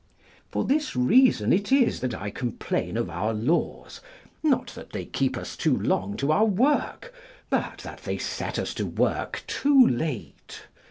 For this reason it is that I complain of our laws, not that they keep us too long to our work, but that they set us to work too late.